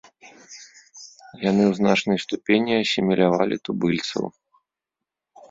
Яны ў значнай ступені асімілявалі тубыльцаў.